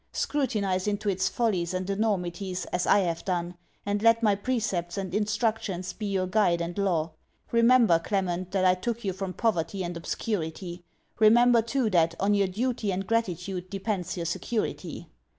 Scrutinize into its follies and enormities, as I have done; and let my precepts and instructions be your guide and law. Remember, Clement, that I took you from poverty and obscurity. Remember too that, on your duty and gratitude depends your security.